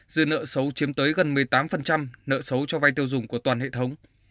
dư nợ xấu chiếm tới gần một mươi tám nợ xấu cho vai tiêu dùng của toàn hệ thống